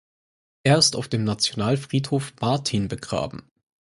Er ist auf dem Nationalfriedhof Martin begraben.